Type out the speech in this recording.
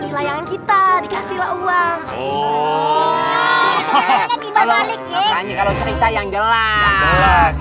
makanya kalau cerita yang jelas